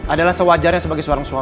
adalah sewajarnya sebagai seorang suami